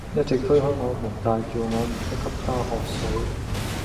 一直推開我們大叫我們不給她喝水